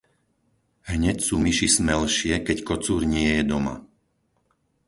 Hneď sú myši smelšie, keď kocúr nie je doma.